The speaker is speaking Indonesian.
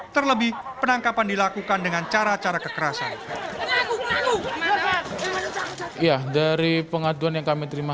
terlebih penangkapan dilakukan dengan cara cara kekerasan ya dari pengaduan yang kami terima